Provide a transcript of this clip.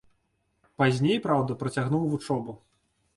Пазней, праўда, працягнуў вучобу.